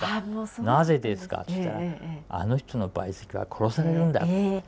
「なぜですか？」って言ったら「あの人の陪席は殺されるんだ」。